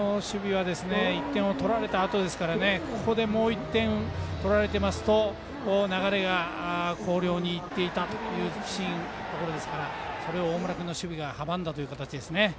１点を取られたあとですからもう１点、取られてますと流れが広陵にいってしまったというシーンのところですからそれを大村君の守備が阻んだという形です。